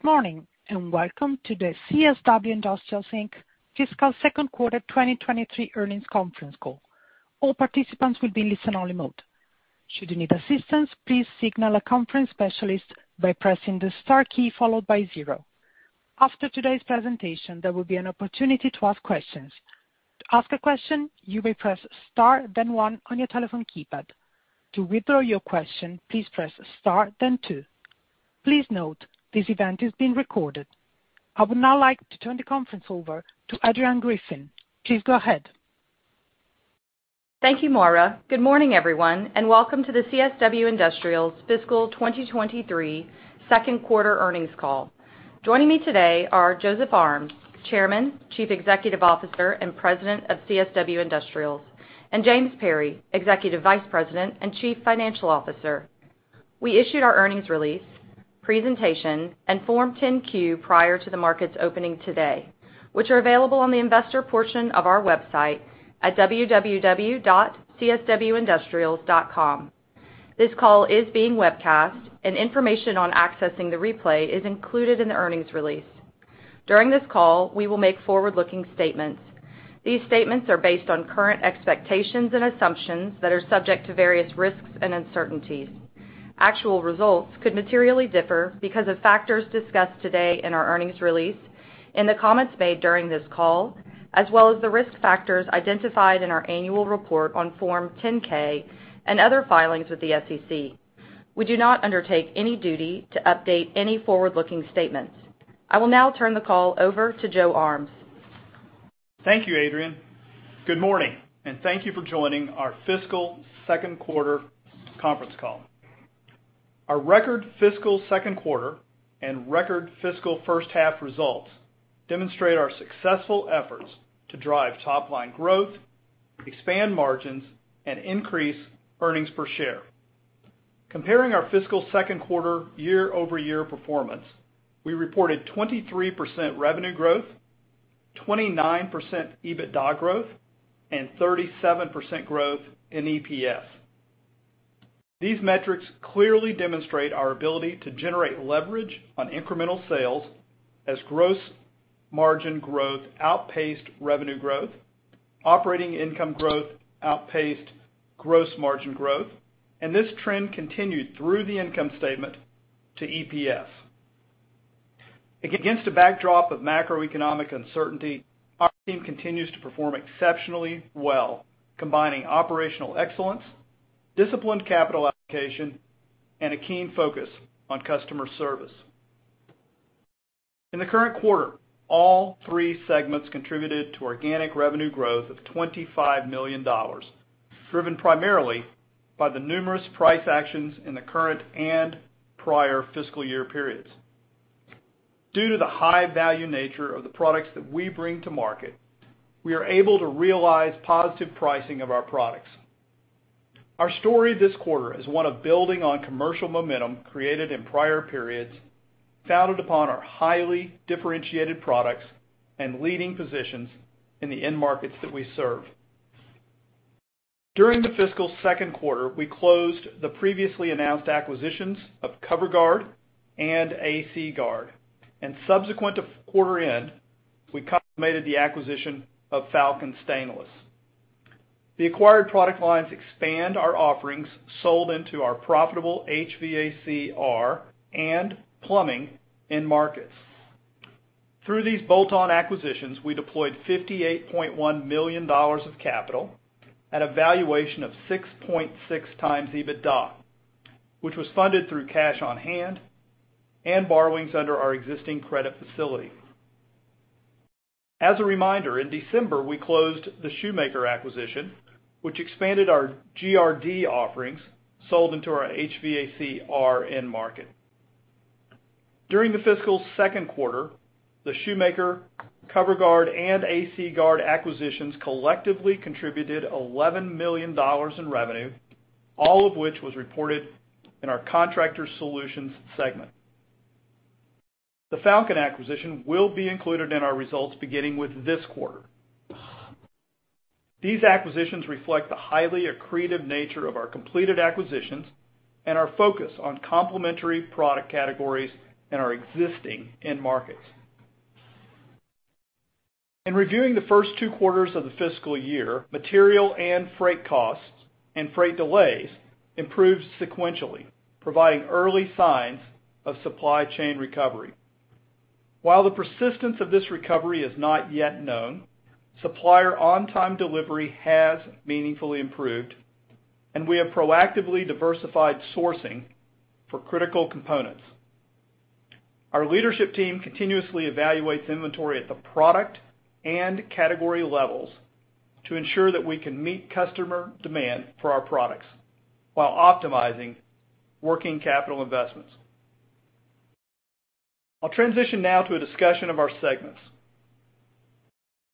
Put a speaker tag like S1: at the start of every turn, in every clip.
S1: Good morning, and welcome to the CSW Industrials, Inc. Fiscal Second Quarter 2023 Earnings Conference Call. All participants will be in listen-only mode. Should you need assistance, please contact a conference specialist by pressing the star key followed by zero. After today's presentation, there will be an opportunity to ask questions. To ask a question, you may press star then one on your telephone keypad. To withdraw your question, please press star then two. Please note, this event is being recorded. I would now like to turn the conference over to Adrianne Griffin. Please go ahead.
S2: Thank you, Maura. Good morning, everyone, and welcome to the CSW Industrials' Fiscal 2023 Second Quarter Earnings Call. Joining me today are Joseph Armes, Chairman, Chief Executive Officer and President of CSW Industrials, and James Perry, Executive Vice President and Chief Financial Officer. We issued our earnings release, presentation, and Form 10-Q prior to the market's opening today, which are available on the investor portion of our website at www.cswindustrials.com. This call is being webcast and information on accessing the replay is included in the earnings release. During this call, we will make forward-looking statements. These statements are based on current expectations and assumptions that are subject to various risks and uncertainties. Actual results could materially differ because of factors discussed today in our earnings release, in the comments made during this call, as well as the risk factors identified in our annual report on Form 10-K and other filings with the SEC. We do not undertake any duty to update any forward-looking statements. I will now turn the call over to Joe Armes.
S3: Thank you, Adrianne. Good morning, and thank you for joining our fiscal second quarter conference call. Our record fiscal second quarter and record fiscal first half results demonstrate our successful efforts to drive top line growth, expand margins, and increase earnings per share. Comparing our fiscal second quarter year-over-year performance, we reported 23% revenue growth, 29% EBITDA growth, and 37% growth in EPS. These metrics clearly demonstrate our ability to generate leverage on incremental sales as gross margin growth outpaced revenue growth, operating income growth outpaced gross margin growth, and this trend continued through the income statement to EPS. Against a backdrop of macroeconomic uncertainty, our team continues to perform exceptionally well, combining operational excellence, disciplined capital allocation, and a keen focus on customer service. In the current quarter, all three segments contributed to organic revenue growth of $25 million, driven primarily by the numerous price actions in the current and prior fiscal year periods. Due to the high value nature of the products that we bring to market, we are able to realize positive pricing of our products. Our story this quarter is one of building on commercial momentum created in prior periods, founded upon our highly differentiated products and leading positions in the end markets that we serve. During the fiscal second quarter, we closed the previously announced acquisitions of Cover Guard and AC Guard, and subsequent to quarter end, we consummated the acquisition of Falcon Stainless. The acquired product lines expand our offerings sold into our profitable HVAC/R and plumbing end markets. Through these bolt-on acquisitions, we deployed $58.1 million of capital at a valuation of 6.6x EBITDA, which was funded through cash on hand and borrowings under our existing credit facility. As a reminder, in December, we closed the Shoemaker acquisition, which expanded our GRD offerings sold into our HVAC/R end market. During the fiscal second quarter, the Shoemaker, Cover Guard, and AC Guard acquisitions collectively contributed $11 million in revenue, all of which was reported in our Contractor Solutions segment. The Falcon acquisition will be included in our results beginning with this quarter. These acquisitions reflect the highly accretive nature of our completed acquisitions and our focus on complementary product categories in our existing end markets. In reviewing the first two quarters of the fiscal year, material and freight costs and freight delays improved sequentially, providing early signs of supply chain recovery. While the persistence of this recovery is not yet known, supplier on-time delivery has meaningfully improved, and we have proactively diversified sourcing for critical components. Our leadership team continuously evaluates inventory at the product and category levels to ensure that we can meet customer demand for our products while optimizing working capital investments. I'll transition now to a discussion of our segments.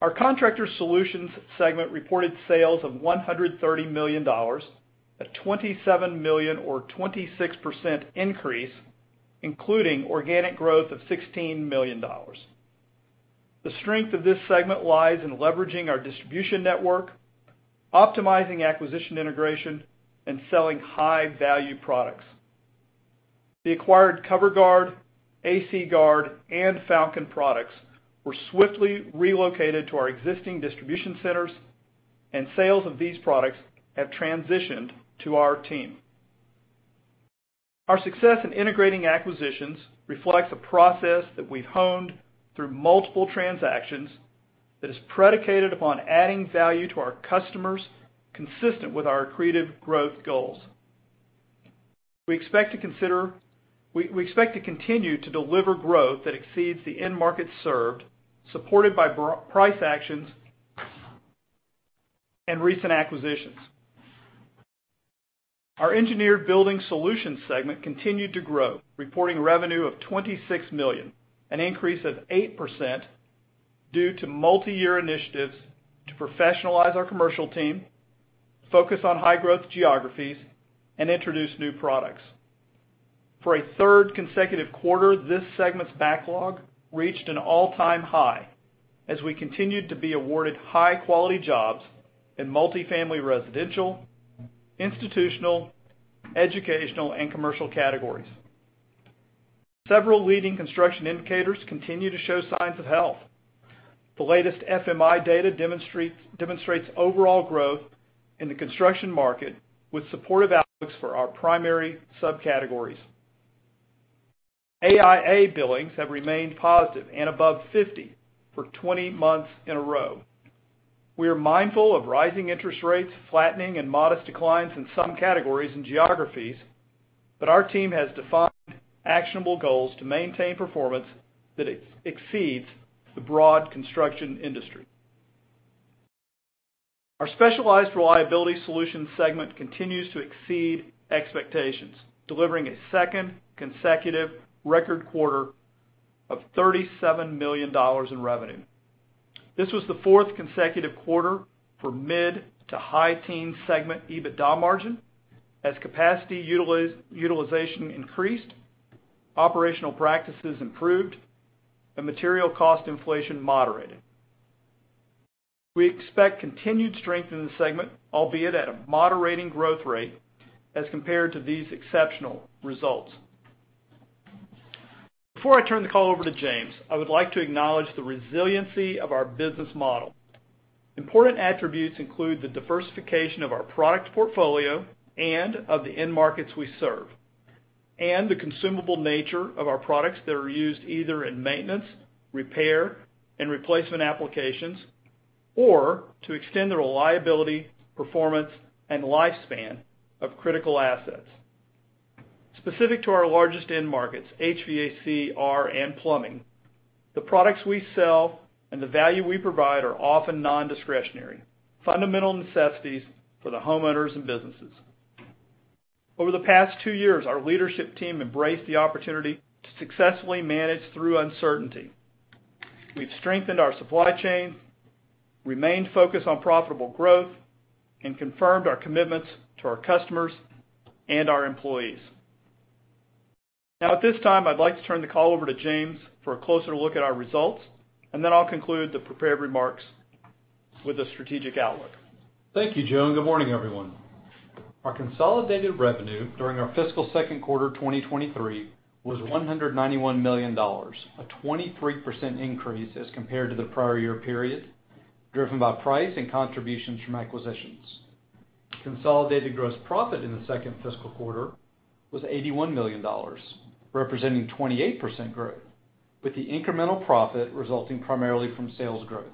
S3: Our Contractor Solutions segment reported sales of $130 million, a $27 million or 26% increase, including organic growth of $16 million. The strength of this segment lies in leveraging our distribution network, optimizing acquisition integration, and selling high-value products. The acquired Cover Guard, AC Guard, and Falcon Stainless products were swiftly relocated to our existing distribution centers, and sales of these products have transitioned to our team. Our success in integrating acquisitions reflects a process that we've honed through multiple transactions that is predicated upon adding value to our customers consistent with our accretive growth goals. We expect to continue to deliver growth that exceeds the end market served, supported by price actions and recent acquisitions. Our Engineered Building Solutions segment continued to grow, reporting revenue of $26 million, an increase of 8% due to multiyear initiatives to professionalize our commercial team, focus on high-growth geographies, and introduce new products. For a third consecutive quarter, this segment's backlog reached an all-time high as we continued to be awarded high-quality jobs in multifamily residential, institutional, educational, and commercial categories. Several leading construction indicators continue to show signs of health. The latest FMI data demonstrates overall growth in the construction market with supportive outlooks for our primary subcategories. AIA billings have remained positive and above 50 for 20 months in a row. We are mindful of rising interest rates, flattening and modest declines in some categories and geographies, but our team has defined actionable goals to maintain performance that exceeds the broad construction industry. Our Specialized Reliability Solutions segment continues to exceed expectations, delivering its second consecutive record quarter of $37 million in revenue. This was the fourth consecutive quarter for mid- to high-teens segment EBITDA margin as capacity utilization increased, operational practices improved, and material cost inflation moderated. We expect continued strength in the segment, albeit at a moderating growth rate as compared to these exceptional results. Before I turn the call over to James, I would like to acknowledge the resiliency of our business model. Important attributes include the diversification of our product portfolio and of the end markets we serve, and the consumable nature of our products that are used either in maintenance, repair, and replacement applications, or to extend the reliability, performance, and lifespan of critical assets. Specific to our largest end markets, HVAC/R and plumbing, the products we sell and the value we provide are often non-discretionary, fundamental necessities for the homeowners and businesses. Over the past two years, our leadership team embraced the opportunity to successfully manage through uncertainty. We've strengthened our supply chain, remained focused on profitable growth, and confirmed our commitments to our customers and our employees. Now at this time, I'd like to turn the call over to James for a closer look at our results, and then I'll conclude the prepared remarks with a strategic outlook.
S4: Thank you, Joe, and good morning, everyone. Our consolidated revenue during our fiscal second quarter 2023 was $191 million, a 23% increase as compared to the prior year period, driven by price and contributions from acquisitions. Consolidated gross profit in the second fiscal quarter was $81 million, representing 28% growth, with the incremental profit resulting primarily from sales growth.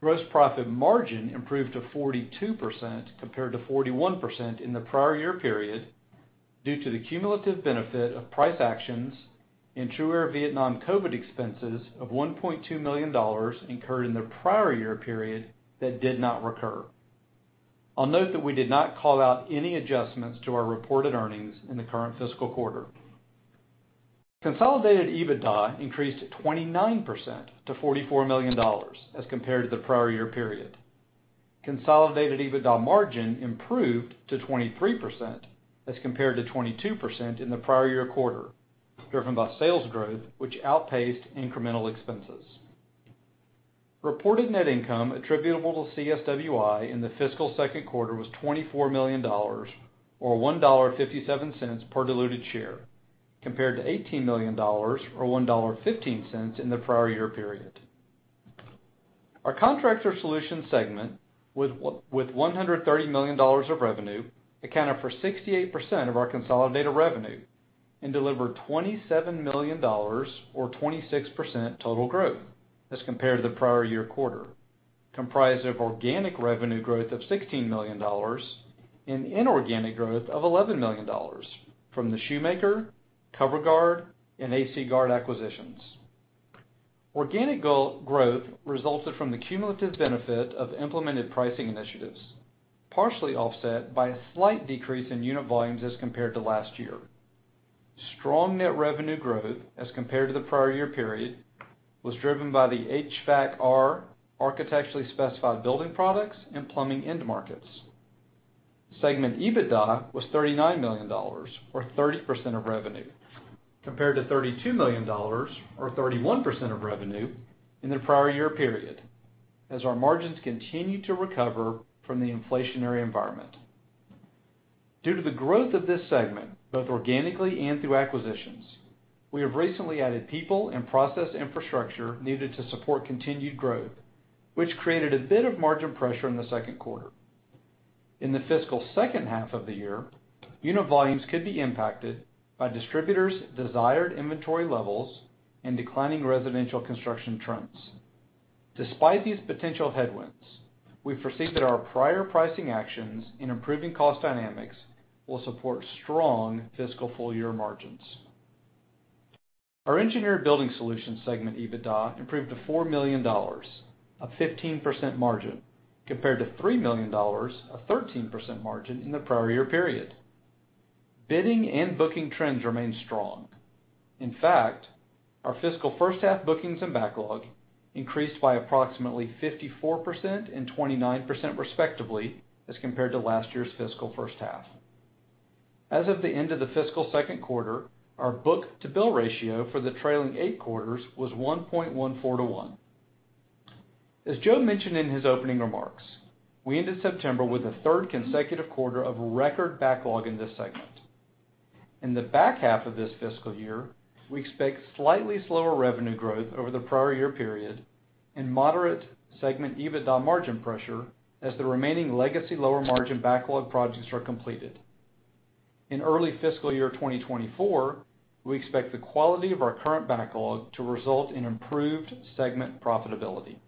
S4: Gross profit margin improved to 42% compared to 41% in the prior year period due to the cumulative benefit of price actions and TRUaire Vietnam COVID expenses of $1.2 million incurred in the prior year period that did not recur. I'll note that we did not call out any adjustments to our reported earnings in the current fiscal quarter. Consolidated EBITDA increased 29% to $44 million as compared to the prior year period. Consolidated EBITDA margin improved to 23% as compared to 22% in the prior year quarter, driven by sales growth, which outpaced incremental expenses. Reported net income attributable to CSWI in the fiscal second quarter was $24 million or $1.57 per diluted share, compared to $18 million or $1.15 in the prior year period. Our Contractor Solutions segment, with $130 million of revenue, accounted for 68% of our consolidated revenue and delivered $27 million or 26% total growth as compared to the prior year quarter, comprised of organic revenue growth of $16 million and inorganic growth of $11 million from the Shoemaker, Cover Guard, and AC Guard acquisitions. Organic growth resulted from the cumulative benefit of implemented pricing initiatives, partially offset by a slight decrease in unit volumes as compared to last year. Strong net revenue growth as compared to the prior year period was driven by the HVAC/R architecturally specified building products and plumbing end markets. Segment EBITDA was $39 million, or 30% of revenue, compared to $32 million, or 31% of revenue in the prior year period, as our margins continue to recover from the inflationary environment. Due to the growth of this segment, both organically and through acquisitions, we have recently added people and process infrastructure needed to support continued growth, which created a bit of margin pressure in the second quarter. In the fiscal second half of the year, unit volumes could be impacted by distributors' desired inventory levels and declining residential construction trends. Despite these potential headwinds, we foresee that our prior pricing actions and improving cost dynamics will support strong fiscal full year margins. Our Engineered Building Solutions segment EBITDA improved to $4 million, a 15% margin, compared to $3 million, a 13% margin in the prior year period. Bidding and booking trends remain strong. In fact, our fiscal first half bookings and backlog increased by approximately 54% and 29% respectively, as compared to last year's fiscal first half. As of the end of the fiscal second quarter, our book-to-bill ratio for the trailing eight quarters was 1.14 to 1. As Joe mentioned in his opening remarks, we ended September with a third consecutive quarter of record backlog in this segment. In the back half of this fiscal year, we expect slightly slower revenue growth over the prior year period and moderate segment EBITDA margin pressure as the remaining legacy lower margin backlog projects are completed. In early fiscal year 2024, we expect the quality of our current backlog to result in improved segment profitability.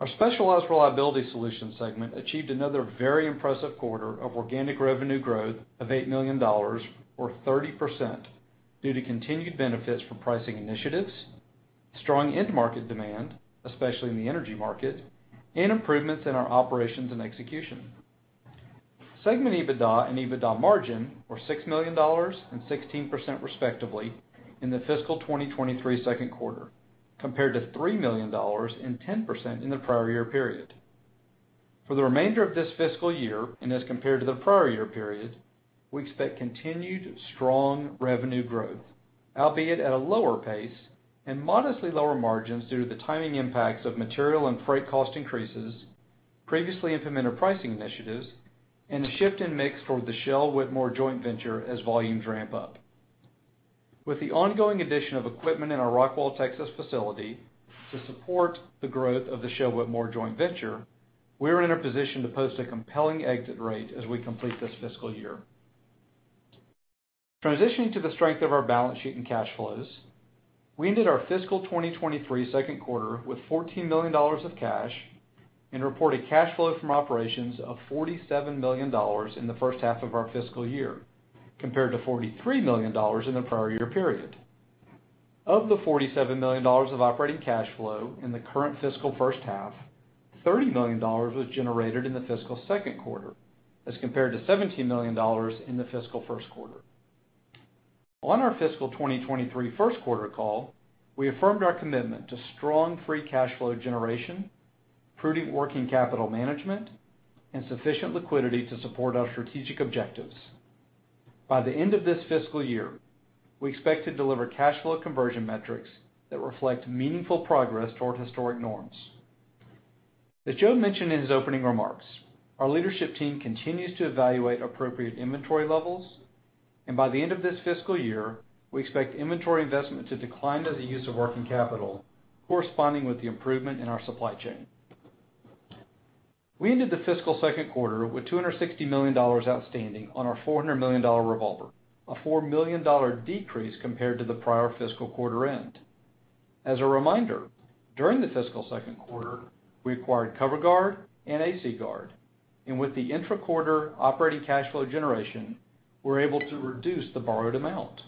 S4: Our Specialized Reliability Solutions segment achieved another very impressive quarter of organic revenue growth of $8 million, or 30%, due to continued benefits from pricing initiatives, strong end market demand, especially in the energy market, and improvements in our operations and execution. Segment EBITDA and EBITDA margin were $6 million and 16% respectively in the fiscal 2023 second quarter, compared to $3 million and 10% in the prior year period. For the remainder of this fiscal year and as compared to the prior year period, we expect continued strong revenue growth, albeit at a lower pace and modestly lower margins due to the timing impacts of material and freight cost increases, previously implemented pricing initiatives, and a shift in mix for the Shell Whitmore joint venture as volumes ramp up. With the ongoing addition of equipment in our Rockwall, Texas facility to support the growth of the Shell Whitmore joint venture, we are in a position to post a compelling exit rate as we complete this fiscal year. Transitioning to the strength of our balance sheet and cash flows, we ended our fiscal 2023 second quarter with $14 million of cash and reported cash flow from operations of $47 million in the first half of our fiscal year, compared to $43 million in the prior year period. Of the $47 million of operating cash flow in the current fiscal first half, $30 million was generated in the fiscal second quarter, as compared to $17 million in the fiscal first quarter. On our fiscal 2023 first quarter call, we affirmed our commitment to strong free cash flow generation, prudent working capital management, and sufficient liquidity to support our strategic objectives. By the end of this fiscal year, we expect to deliver cash flow conversion metrics that reflect meaningful progress toward historic norms. As Joe mentioned in his opening remarks, our leadership team continues to evaluate appropriate inventory levels, and by the end of this fiscal year, we expect inventory investment to decline as a use of working capital corresponding with the improvement in our supply chain. We ended the fiscal second quarter with $260 million outstanding on our $400 million revolver, a $4 million decrease compared to the prior fiscal quarter end. As a reminder, during the fiscal second quarter, we acquired Cover Guard and AC Guard, and with the intra-quarter operating cash flow generation, we're able to reduce the borrowed amount.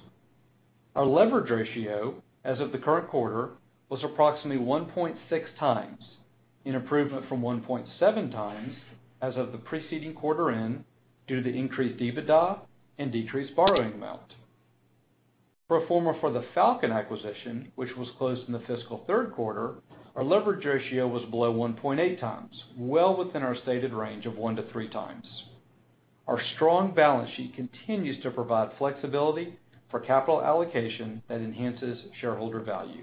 S4: Our leverage ratio as of the current quarter was approximately 1.6x, an improvement from 1.7x as of the preceding quarter end due to increased EBITDA and decreased borrowing amount. Pro forma for the Falcon Stainless acquisition, which was closed in the fiscal third quarter, our leverage ratio was below 1.8x, well within our stated range of 1x-3x. Our strong balance sheet continues to provide flexibility for capital allocation that enhances shareholder value.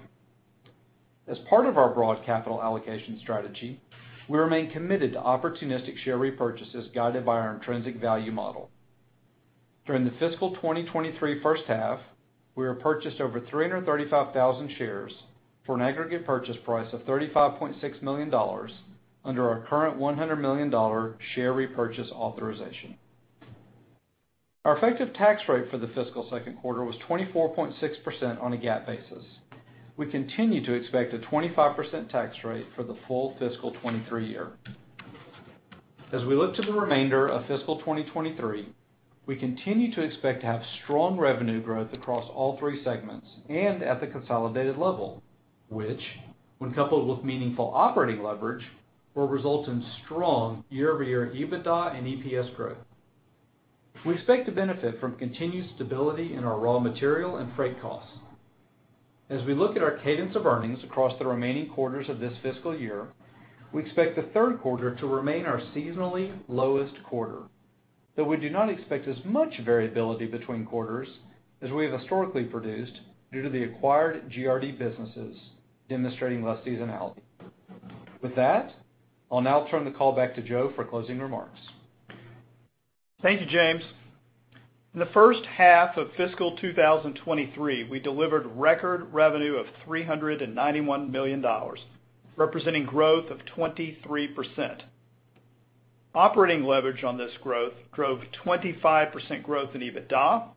S4: As part of our broad capital allocation strategy, we remain committed to opportunistic share repurchases guided by our intrinsic value model. During the fiscal 2023 first half, we have purchased over 335,000 shares for an aggregate purchase price of $35.6 million under our current $100 million share repurchase authorization. Our effective tax rate for the fiscal second quarter was 24.6% on a GAAP basis. We continue to expect a 25% tax rate for the full fiscal 2023 year. As we look to the remainder of fiscal 2023, we continue to expect to have strong revenue growth across all three segments and at the consolidated level, which when coupled with meaningful operating leverage, will result in strong year-over-year EBITDA and EPS growth. We expect to benefit from continued stability in our raw material and freight costs. As we look at our cadence of earnings across the remaining quarters of this fiscal year, we expect the third quarter to remain our seasonally lowest quarter. We do not expect as much variability between quarters as we have historically produced due to the acquired GRD businesses demonstrating less seasonality. With that, I'll now turn the call back to Joe for closing remarks.
S3: Thank you, James. In the first half of fiscal 2023, we delivered record revenue of $391 million, representing growth of 23%. Operating leverage on this growth drove 25% growth in EBITDA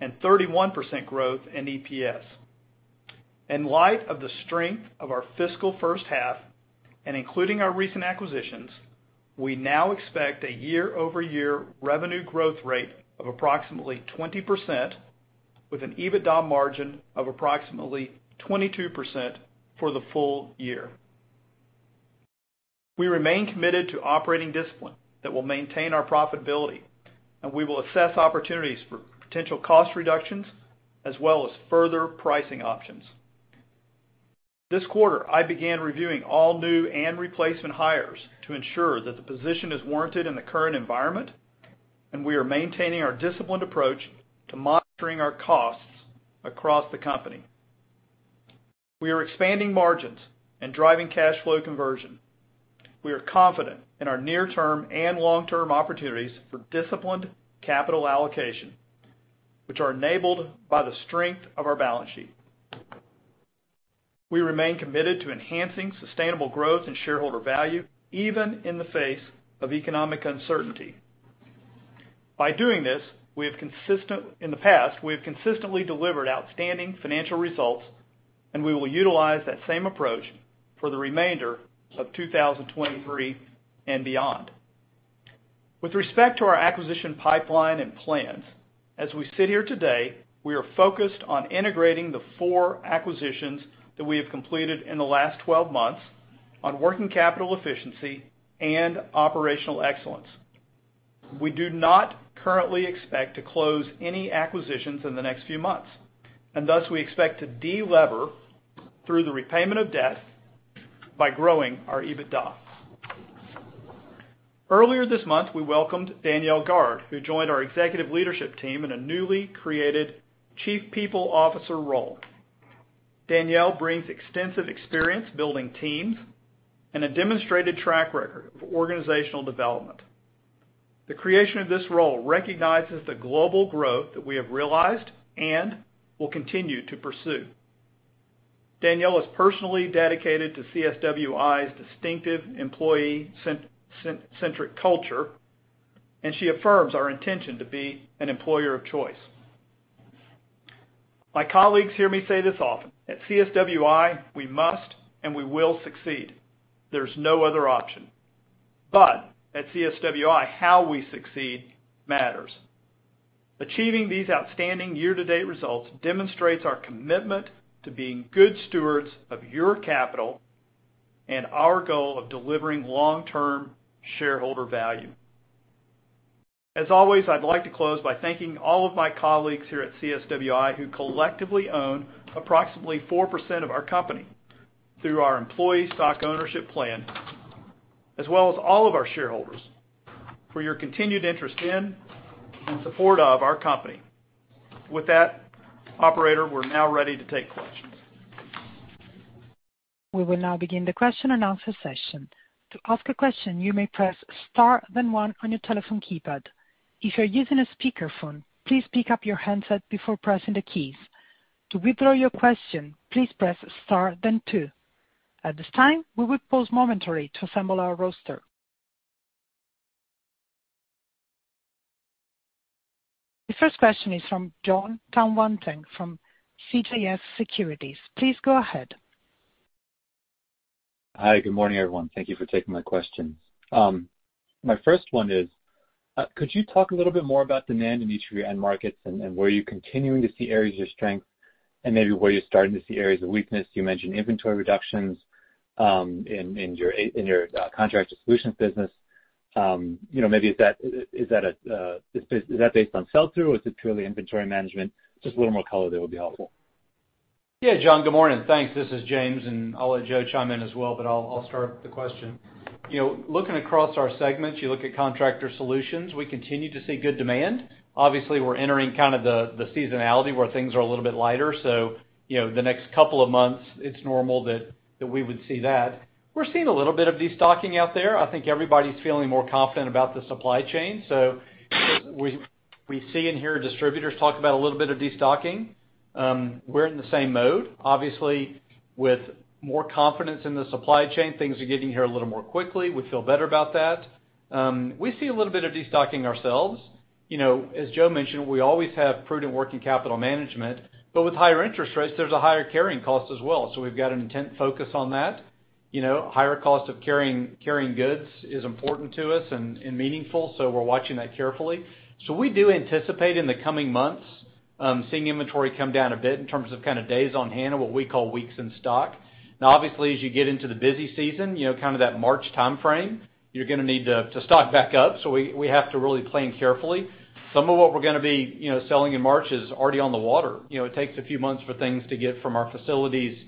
S3: and 31% growth in EPS. In light of the strength of our fiscal first half and including our recent acquisitions, we now expect a year-over-year revenue growth rate of approximately 20% with an EBITDA margin of approximately 22% for the full year. We remain committed to operating discipline that will maintain our profitability, and we will assess opportunities for potential cost reductions as well as further pricing options. This quarter, I began reviewing all new and replacement hires to ensure that the position is warranted in the current environment, and we are maintaining our disciplined approach to monitoring our costs across the company. We are expanding margins and driving cash flow conversion. We are confident in our near-term and long-term opportunities for disciplined capital allocation, which are enabled by the strength of our balance sheet. We remain committed to enhancing sustainable growth and shareholder value, even in the face of economic uncertainty. By doing this, we have consistently delivered outstanding financial results, and we will utilize that same approach for the remainder of 2023 and beyond. With respect to our acquisition pipeline and plans, as we sit here today, we are focused on integrating the four acquisitions that we have completed in the last 12 months on working capital efficiency and operational excellence. We do not currently expect to close any acquisitions in the next few months, and thus we expect to de-lever through the repayment of debt by growing our EBITDA. Earlier this month, we welcomed Danielle Garde, who joined our executive leadership team in a newly created Chief People Officer role. Danielle brings extensive experience building teams and a demonstrated track record of organizational development. The creation of this role recognizes the global growth that we have realized and will continue to pursue. Danielle is personally dedicated to CSWI's distinctive employee-centric culture, and she affirms our intention to be an employer of choice. My colleagues hear me say this often: At CSWI, we must and we will succeed. There's no other option. At CSWI, how we succeed matters. Achieving these outstanding year-to-date results demonstrates our commitment to being good stewards of your capital and our goal of delivering long-term shareholder value. As always, I'd like to close by thanking all of my colleagues here at CSWI who collectively own approximately 4% of our company through our employee stock ownership plan, as well as all of our shareholders for your continued interest in and support of our company. With that, operator, we're now ready to take questions.
S1: We will now begin the question and answer session. To ask a question, you may press star then one on your telephone keypad. If you're using a speakerphone, please pick up your handset before pressing the keys. To withdraw your question, please press star then two. At this time, we will pause momentarily to assemble our roster. The first question is from Jon Tanwanteng from CJS Securities. Please go ahead.
S5: Hi. Good morning, everyone. Thank you for taking my questions. My first one is, could you talk a little bit more about demand in each of your end markets and where you're continuing to see areas of strength and maybe where you're starting to see areas of weakness? You mentioned inventory reductions in your Contractor Solutions business. You know, maybe is that based on sell-through, or is it purely inventory management? Just a little more color there would be helpful.
S4: Yeah. Jon, good morning. Thanks. This is James, and I'll let Joe chime in as well, but I'll start the question. You know, looking across our segments, you look at Contractor Solutions. We continue to see good demand. Obviously, we're entering kind of the seasonality where things are a little bit lighter. You know, the next couple of months it's normal that we would see that. We're seeing a little bit of destocking out there. I think everybody's feeling more confident about the supply chain. So we see and hear distributors talk about a little bit of destocking. We're in the same mode. Obviously, with more confidence in the supply chain, things are getting here a little more quickly. We feel better about that. We see a little bit of destocking ourselves. You know, as Joe mentioned, we always have prudent working capital management, but with higher interest rates, there's a higher carrying cost as well. We've got an intense focus on that. You know, higher cost of carrying goods is important to us and meaningful, so we're watching that carefully. We do anticipate in the coming months seeing inventory come down a bit in terms of kind of days on hand or what we call weeks in stock. Now obviously, as you get into the busy season, you know, kind of that March timeframe, you're gonna need to stock back up. We have to really plan carefully. Some of what we're gonna be, you know, selling in March is already on the water. You know, it takes a few months for things to get from our facilities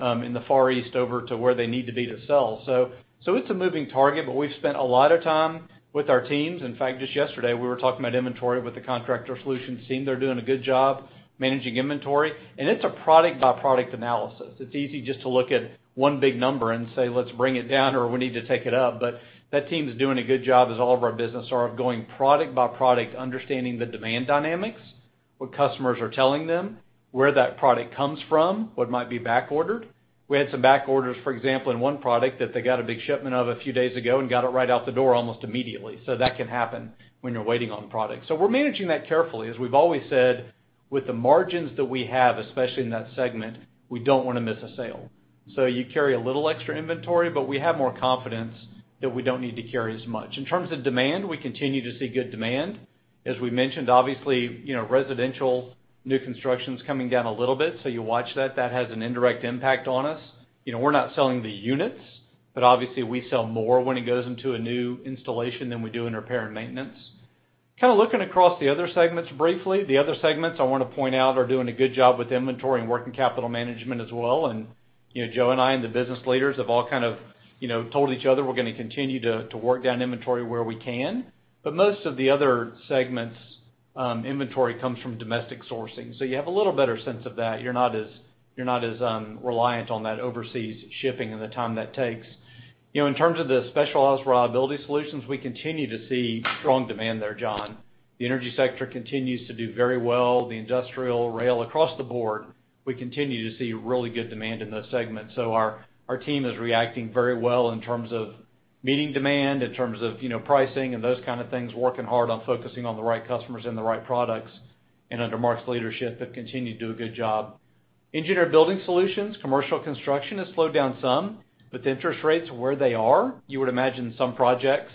S4: in the Far East over to where they need to be to sell. So it's a moving target, but we've spent a lot of time with our teams. In fact, just yesterday, we were talking about inventory with the Contractor Solutions team. They're doing a good job managing inventory. It's a product-by-product analysis. It's easy just to look at one big number and say, let's bring it down or we need to take it up, but that team is doing a good job, as all of our business are, of going product by product, understanding the demand dynamics, what customers are telling them, where that product comes from, what might be back ordered. We had some back orders, for example, in one product that they got a big shipment of a few days ago and got it right out the door almost immediately. That can happen when you're waiting on products. We're managing that carefully. As we've always said, with the margins that we have, especially in that segment, we don't wanna miss a sale. You carry a little extra inventory, but we have more confidence that we don't need to carry as much. In terms of demand, we continue to see good demand. As we mentioned, obviously, you know, residential new construction is coming down a little bit, so you watch that. That has an indirect impact on us. You know, we're not selling the units, but obviously, we sell more when it goes into a new installation than we do in repair and maintenance. Kinda looking across the other segments briefly, the other segments I wanna point out are doing a good job with inventory and working capital management as well. You know, Joe and I and the business leaders have all kind of, you know, told each other we're gonna continue to work down inventory where we can. Most of the other segments, inventory comes from domestic sourcing. You have a little better sense of that. You're not as reliant on that overseas shipping and the time that takes. You know, in terms of the Specialized Reliability Solutions, we continue to see strong demand there, Jon. The energy sector continues to do very well. The industrial rail across the board, we continue to see really good demand in those segments. Our team is reacting very well in terms of meeting demand, in terms of, you know, pricing and those kind of things, working hard on focusing on the right customers and the right products. Under Mark's leadership, they've continued to do a good job. Engineered Building Solutions, commercial construction has slowed down some, but the interest rates are where they are. You would imagine some projects,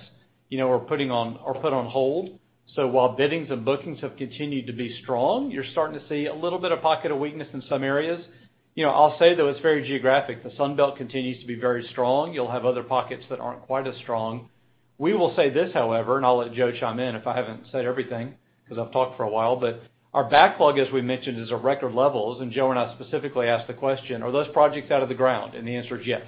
S4: you know, are put on hold. While biddings and bookings have continued to be strong, you're starting to see a little bit of pocket of weakness in some areas. You know, I'll say, though, it's very geographic. The Sun Belt continues to be very strong. You'll have other pockets that aren't quite as strong. We will say this, however, and I'll let Joe chime in if I haven't said everything 'cause I've talked for a while, but our backlog, as we mentioned, is at record levels, and Joe and I specifically asked the question, are those projects out of the ground? The answer is yes.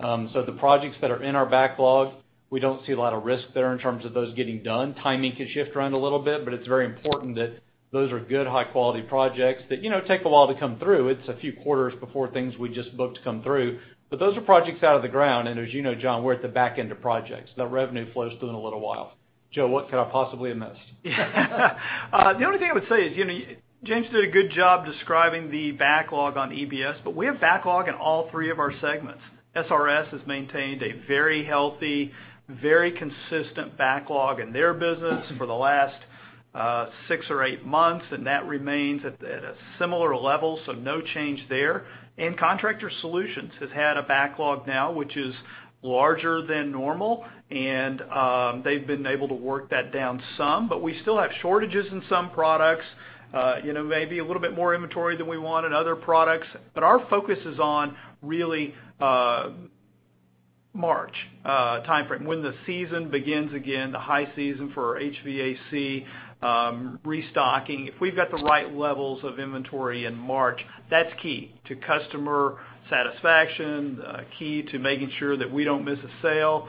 S4: The projects that are in our backlog, we don't see a lot of risk there in terms of those getting done. Timing can shift around a little bit, but it's very important that those are good, high-quality projects that, you know, take a while to come through. It's a few quarters before things we just booked come through. Those are projects out of the ground, and as you know, John, we're at the back end of projects. The revenue flows through in a little while. Joe, what could I possibly have missed?
S3: The only thing I would say is, you know, James did a good job describing the backlog on EBS, but we have backlog in all three of our segments. SRS has maintained a very healthy, very consistent backlog in their business for the last six or eight months, and that remains at a similar level, so no change there. Contractor Solutions has had a backlog now which is larger than normal, and they've been able to work that down some. We still have shortages in some products, you know, maybe a little bit more inventory than we want in other products. Our focus is on really March timeframe, when the season begins again, the high season for HVAC restocking. If we've got the right levels of inventory in March, that's key to customer satisfaction, key to making sure that we don't miss a sale.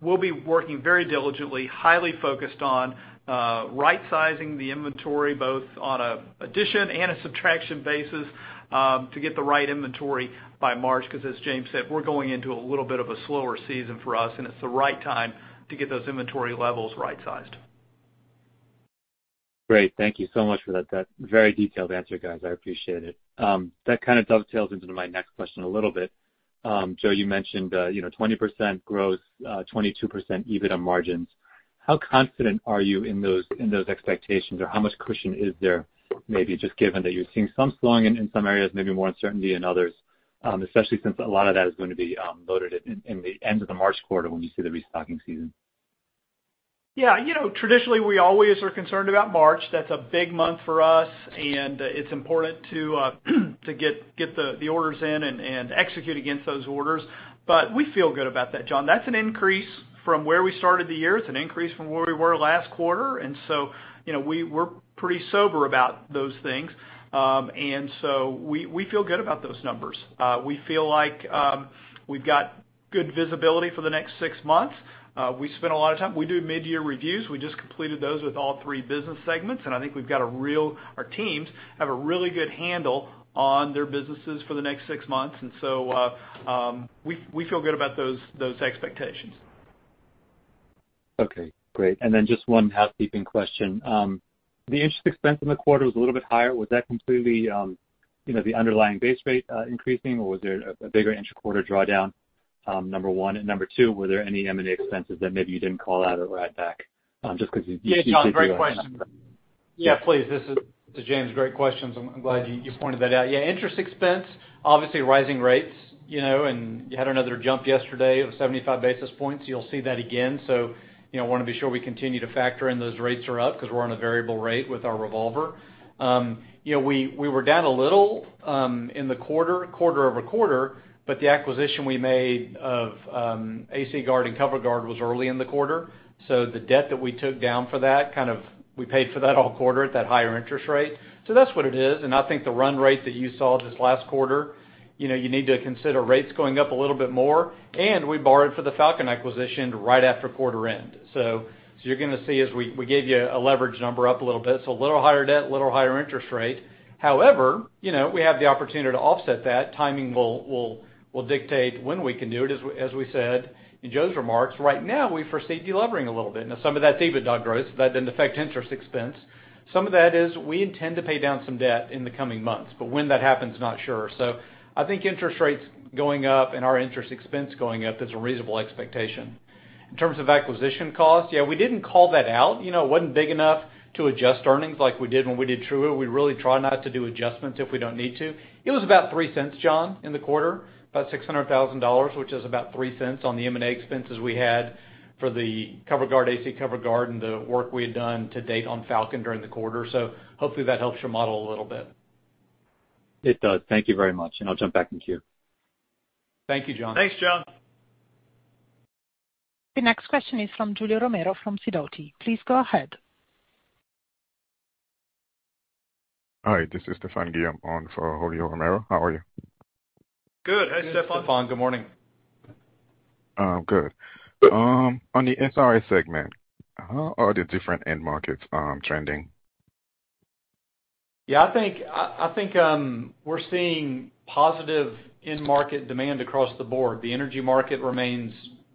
S3: We'll be working very diligently, highly focused on right-sizing the inventory, both on an addition and a subtraction basis, to get the right inventory by March. 'Cause as James said, we're going into a little bit of a slower season for us, and it's the right time to get those inventory levels right-sized.
S5: Great. Thank you so much for that very detailed answer, guys. I appreciate it. That kind of dovetails into my next question a little bit. Joe, you mentioned, you know, 20% growth, 22% EBITDA margins. How confident are you in those expectations, or how much cushion is there maybe just given that you're seeing some slowing in some areas, maybe more uncertainty in others, especially since a lot of that is gonna be loaded in the end of the March quarter when you see the restocking season?
S3: Yeah. You know, traditionally, we always are concerned about March. That's a big month for us, and it's important to get the orders in and execute against those orders. We feel good about that, Jon. That's an increase from where we started the year. It's an increase from where we were last quarter. You know, we're pretty sober about those things. We feel good about those numbers. We feel like we've got good visibility for the next six months. We do mid-year reviews. We just completed those with all three business segments, and I think our teams have a really good handle on their businesses for the next six months. We feel good about those expectations.
S5: Okay, great. Just one housekeeping question. The interest expense in the quarter was a little bit higher. Was that completely, you know, the underlying base rate increasing, or was there a bigger intra-quarter drawdown, number one? Number two, were there any M&A expenses that maybe you didn't call out or add back, just 'cause you-
S4: Yeah, John, great question. Yeah, please. This is to James. Great questions. I'm glad you pointed that out. Yeah, interest expense, obviously, rising rates, you know, and you had another jump yesterday of 75 basis points. You'll see that again. You know, wanna be sure we continue to factor in those rates are up 'cause we're on a variable rate with our revolver. You know, we were down a little in the quarter-over-quarter, but the acquisition we made of AC Guard and Cover Guard was early in the quarter. The debt that we took down for that we paid for that all quarter at that higher interest rate. That's what it is. I think the run rate that you saw this last quarter, you know, you need to consider rates going up a little bit more, and we borrowed for the Falcon acquisition right after quarter end. So you're gonna see as we gave you a leverage number up a little bit, so a little higher debt, a little higher interest rate. However, you know, we have the opportunity to offset that. Timing will dictate when we can do it. As we said in Joe's remarks, right now we foresee de-levering a little bit. Now, some of that's EBITDA growth that then affect interest expense. Some of that is we intend to pay down some debt in the coming months, but when that happens, not sure. So I think interest rates going up and our interest expense going up is a reasonable expectation. In terms of acquisition costs, yeah, we didn't call that out. You know, it wasn't big enough to adjust earnings like we did when we did TRUaire. We really try not to do adjustments if we don't need to. It was about $0.03, Jon, in the quarter, about $600,000, which is about $0.03 on the M&A expenses we had for the Cover Guard, AC Guard, and the work we had done to date on Falcon Stainless during the quarter. Hopefully that helps your model a little bit.
S5: It does. Thank you very much, and I'll jump back in queue.
S4: Thank you, Jon.
S3: Thanks, Jon.
S1: The next question is from Julio Romero from Sidoti. Please go ahead.
S6: Hi, this is Stephane Guillaume on for Julio Romero. How are you?
S3: Good. Hey, Stephane.
S4: Stephane, good morning.
S6: Good. On the SRS segment, how are the different end markets trending?
S4: I think we're seeing positive end market demand across the board. The energy market remains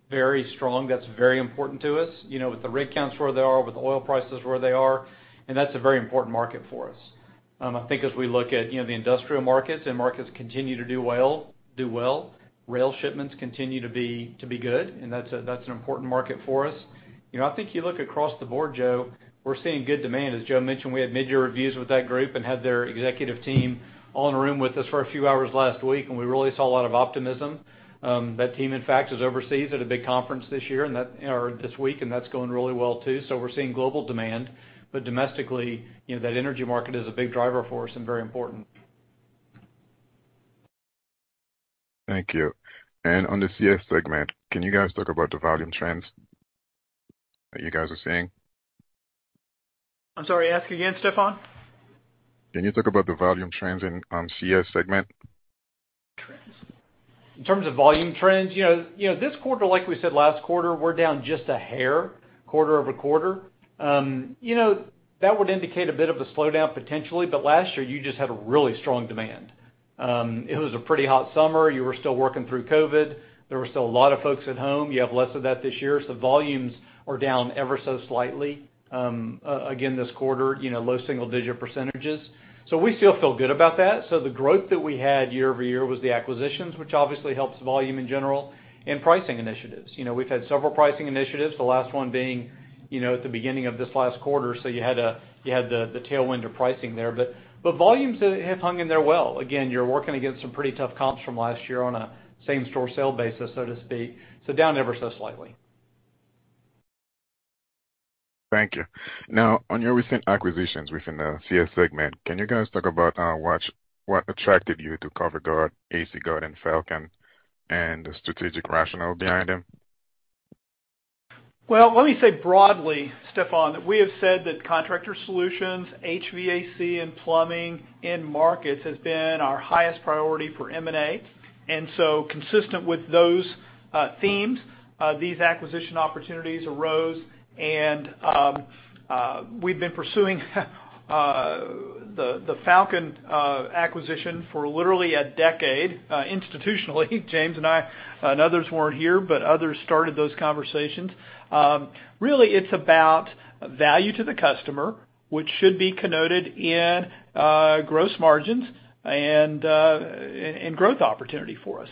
S4: very strong. That's very important to us, you know, with the rig counts where they are, with oil prices where they are, and that's a very important market for us. I think as we look at, you know, the industrial markets and markets continue to do well, rail shipments continue to be good, and that's an important market for us. You know, I think you look across the board, Joe, we're seeing good demand. As Joe mentioned, we had midyear reviews with that group and had their executive team all in a room with us for a few hours last week, and we really saw a lot of optimism. That team, in fact, is overseas at a big conference this year or this week, and that's going really well too. We're seeing global demand. Domestically, you know, that energy market is a big driver for us and very important.
S6: Thank you. On the CS segment, can you guys talk about the volume trends that you guys are seeing?
S3: I'm sorry. Ask again, Stephane.
S6: Can you talk about the volume trends in, CS segment?
S3: In terms of volume trends? You know, this quarter, like we said last quarter, we're down just a hair quarter-over-quarter. You know, that would indicate a bit of a slowdown potentially, but last year you just had a really strong demand. It was a pretty hot summer. You were still working through COVID. There were still a lot of folks at home. You have less of that this year, so volumes are down ever so slightly, again this quarter, you know, low single-digit percentages. We still feel good about that. The growth that we had year-over-year was the acquisitions, which obviously helps volume in general and pricing initiatives. You know, we've had several pricing initiatives, the last one being, you know, at the beginning of this last quarter, so you had the tailwind of pricing there. Volumes have hung in there well. Again, you're working against some pretty tough comps from last year on a same store sale basis, so to speak. Down ever so slightly.
S6: Thank you. Now on your recent acquisitions within the CS segment, can you guys talk about what attracted you to Cover Guard, AC Guard, and Falcon Stainless and the strategic rationale behind them?
S3: Well, let me say broadly, Stephane, that we have said that Contractor Solutions, HVAC and plumbing end markets has been our highest priority for M&A. Consistent with those themes, these acquisition opportunities arose and we've been pursuing the Falcon acquisition for literally a decade institutionally. James and I and others weren't here, but others started those conversations. Really it's about value to the customer, which should be connoted in gross margins and growth opportunity for us.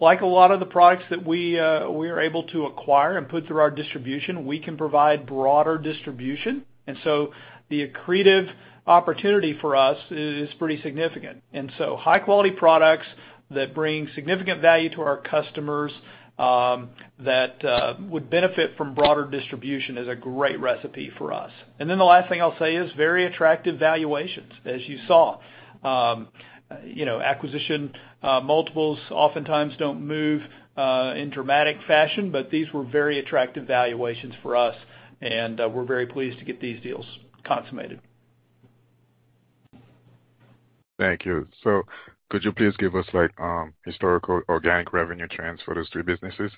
S3: Like a lot of the products that we are able to acquire and put through our distribution, we can provide broader distribution. The accretive opportunity for us is pretty significant. High quality products that bring significant value to our customers that would benefit from broader distribution is a great recipe for us. The last thing I'll say is very attractive valuations, as you saw. You know, acquisition multiples oftentimes don't move in dramatic fashion, but these were very attractive valuations for us, and we're very pleased to get these deals consummated.
S6: Thank you. Could you please give us like, historical organic revenue trends for those three businesses?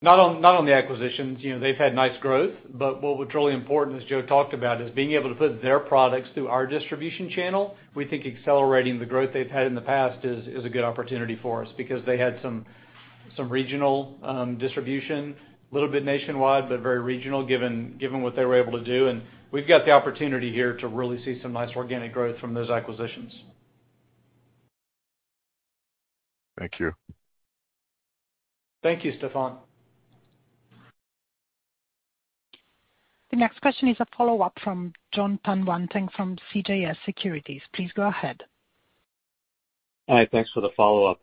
S4: Not on the acquisitions. You know, they've had nice growth, but what's really important, as Joe talked about, is being able to put their products through our distribution channel. We think accelerating the growth they've had in the past is a good opportunity for us because they had some regional distribution, a little bit nationwide, but very regional given what they were able to do. We've got the opportunity here to really see some nice organic growth from those acquisitions.
S6: Thank you.
S4: Thank you, Stephane.
S1: The next question is a follow-up from Jon Tanwanteng from CJS Securities. Please go ahead.
S5: Hi. Thanks for the follow-up.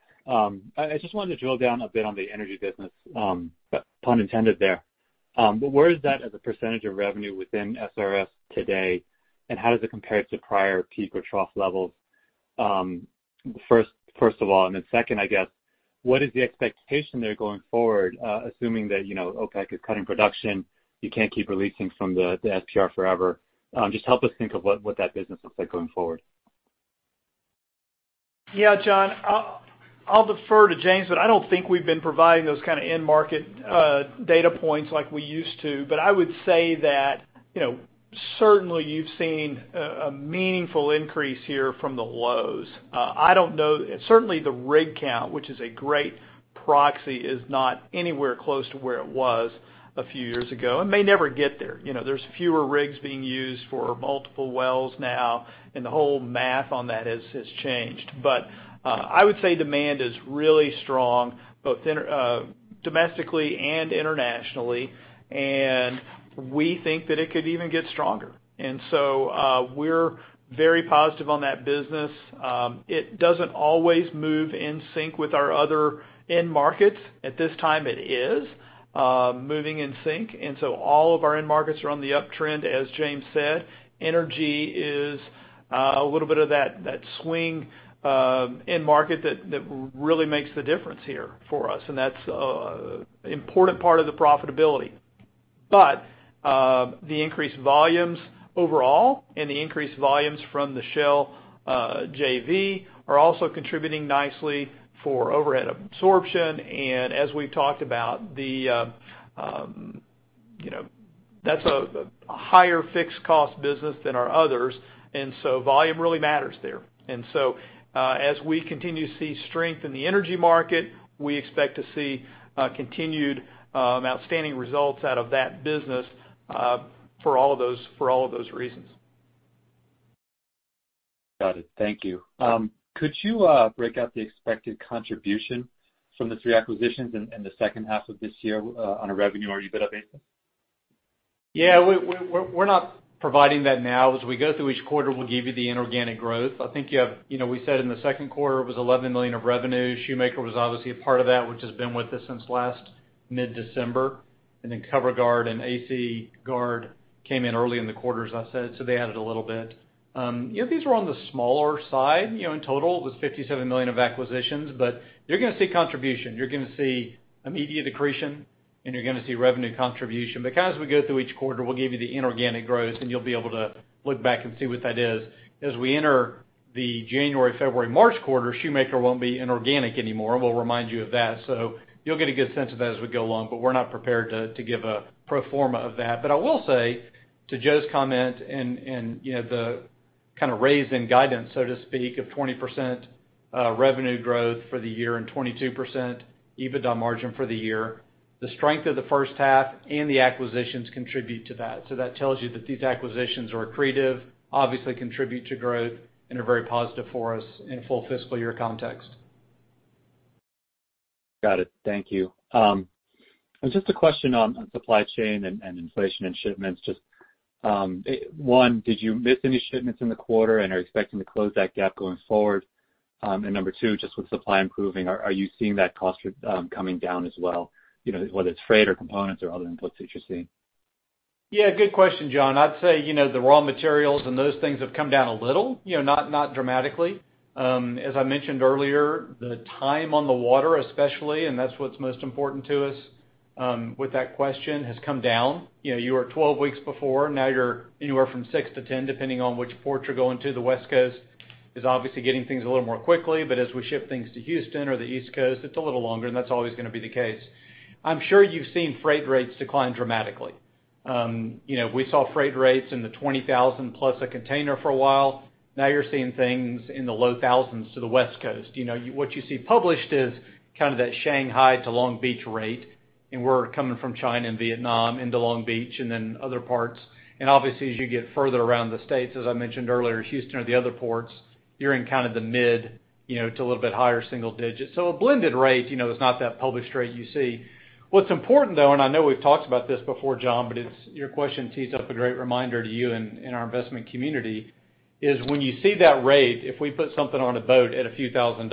S5: I just wanted to drill down a bit on the energy business, pun intended there. Where is that as a percentage of revenue within SRS today, and how does it compare to prior peak or trough levels? First of all, and then second, I guess, what is the expectation there going forward, assuming that, you know, OPEC is cutting production, you can't keep releasing from the SPR forever. Just help us think of what that business looks like going forward.
S3: Yeah, Jon. I'll defer to James, but I don't think we've been providing those kind of end market data points like we used to. I would say that, you know, certainly you've seen a meaningful increase here from the lows. I don't know. Certainly, the rig count, which is a great proxy, is not anywhere close to where it was a few years ago, and may never get there. You know, there's fewer rigs being used for multiple wells now, and the whole math on that has changed. I would say demand is really strong, both domestically and internationally, and we think that it could even get stronger. We're very positive on that business. It doesn't always move in sync with our other end markets. At this time it is moving in sync, all of our end markets are on the uptrend, as James said. Energy is a little bit of that swing end market that really makes the difference here for us, and that's important part of the profitability. The increased volumes overall and the increased volumes from the Shell JV are also contributing nicely for overhead absorption. As we've talked about, you know, that's a higher fixed cost business than our others, and so volume really matters there. As we continue to see strength in the energy market, we expect to see continued outstanding results out of that business for all of those reasons.
S5: Got it. Thank you. Could you break out the expected contribution from the three acquisitions in the second half of this year on a revenue or EBITDA basis?
S4: Yeah. We're not providing that now. As we go through each quarter, we'll give you the inorganic growth. You know, we said in the second quarter it was $11 million of revenue. Shoemaker was obviously a part of that, which has been with us since last mid-December, and then Cover Guard and AC Guard came in early in the quarter, as I said, so they added a little bit. Yeah, these were on the smaller side. You know, in total it was $57 million of acquisitions, but you're gonna see contribution. You're gonna see immediate accretion, and you're gonna see revenue contribution. Kind of as we go through each quarter, we'll give you the inorganic growth, and you'll be able to look back and see what that is. As we enter the January-February-March quarter, Shoemaker won't be inorganic anymore. We'll remind you of that. You'll get a good sense of that as we go along, but we're not prepared to give a pro forma of that. I will say to Joe's comment and, you know, the kinda raise in guidance, so to speak, of 20% revenue growth for the year and 22% EBITDA margin for the year, the strength of the first half and the acquisitions contribute to that. That tells you that these acquisitions are accretive, obviously contribute to growth and are very positive for us in full fiscal year context.
S5: Got it. Thank you. Just a question on supply chain and inflation and shipments. Just one, did you miss any shipments in the quarter and are expecting to close that gap going forward? Number two, just with supply improving, are you seeing that cost coming down as well? You know, whether it's freight or components or other inputs that you're seeing.
S4: Yeah, good question, Jon. I'd say, you know, the raw materials and those things have come down a little, you know, not dramatically. As I mentioned earlier, the time on the water especially, and that's what's most important to us, with that question, has come down. You know, you were 12 weeks before, now you're anywhere from 6-10, depending on which ports you're going to. The West Coast is obviously getting things a little more quickly, but as we ship things to Houston or the East Coast, it's a little longer, and that's always gonna be the case. I'm sure you've seen freight rates decline dramatically. You know, we saw freight rates in the $20,000+ a container for a while. Now you're seeing things in the low thousands to the West Coast. You know, what you see published is kind of that Shanghai to Long Beach rate, and we're coming from China and Vietnam into Long Beach and then other parts. Obviously, as you get further around the States, as I mentioned earlier, Houston or the other ports, you're in kind of the mid, you know, to a little bit higher single digits. A blended rate, you know, is not that published rate you see. What's important though, and I know we've talked about this before, Jon, but it's your question tees up a great reminder to you and our investment community, is when you see that rate, if we put something on a boat at a few thousand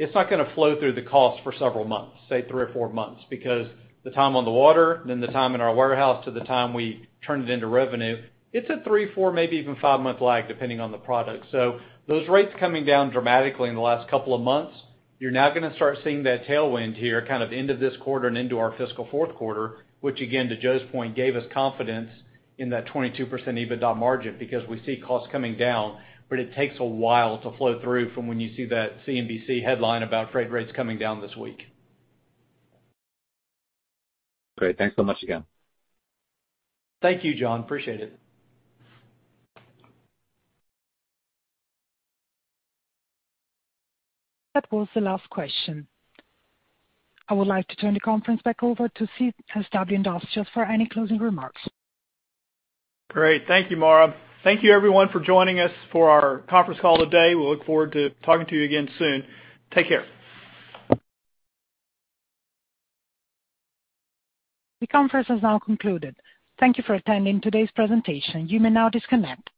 S4: dollars, it's not gonna flow through the cost for several months, say three or four months. Because the time on the water, then the time in our warehouse to the time we turn it into revenue, it's a three, four, maybe even five-month lag, depending on the product. Those rates coming down dramatically in the last couple of months, you're now gonna start seeing that tailwind here kind of into this quarter and into our fiscal fourth quarter, which again, to Joe's point, gave us confidence in that 22% EBITDA margin because we see costs coming down. It takes a while to flow through from when you see that CNBC headline about freight rates coming down this week.
S5: Great. Thanks so much again.
S4: Thank you, Jon. Appreciate it.
S1: That was the last question. I would like o turn the conference back over to CSW Industrials for any closing remarks.
S3: Great. Thank you, Maura. Thank you everyone for joining us for our conference call today. We look forward to talking to you again soon. Take care.
S1: The conference has now concluded. Thank you for attending today's presentation. You may now disconnect.